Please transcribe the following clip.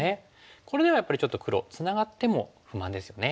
これではやっぱりちょっと黒つながっても不満ですよね。